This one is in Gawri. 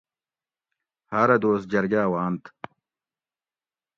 ہارہ دوس جرگاۤ وانتھ